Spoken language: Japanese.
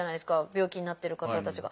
病気になってる方たちが。